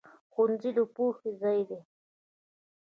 ښوونځی د پوهې ځای دی